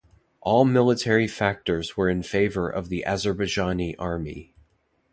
All military factors were in favor of the Azerbaijani Army.